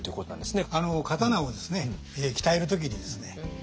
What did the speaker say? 刀をですね鍛える時にですね